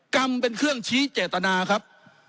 กรรมเป็นเครื่องชี้เจตนาครับ